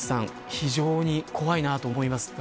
非常に怖いなと思いますが。